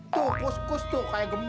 tuh kus kus tuh kaya gemblot